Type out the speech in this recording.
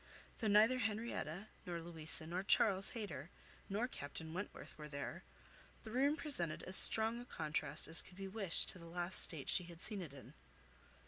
Though neither Henrietta, nor Louisa, nor Charles Hayter, nor Captain Wentworth were there, the room presented as strong a contrast as could be wished to the last state she had seen it in.